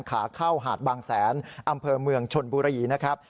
ขาเข้าหาดบางแสนอำเภอเมืองชนบุรีนะครับ